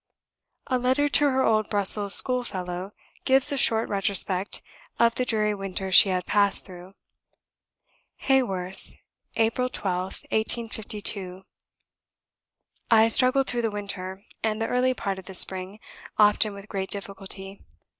A letter to her old Brussels schoolfellow gives a short retrospect of the dreary winter she had passed through. "Haworth, April 12th, 1852. "... I struggled through the winter, and the early part of the spring, often with great difficulty.